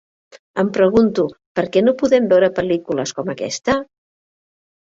Em pregunto, per què no podem veure pel·lícules com aquesta?